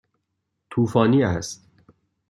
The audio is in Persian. طوفانی است.